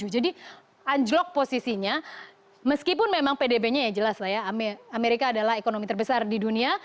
jadi anjlok posisinya meskipun memang pdb nya ya jelas lah ya amerika adalah ekonomi terbesar di dunia